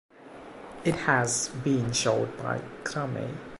It has been shown by Crumey.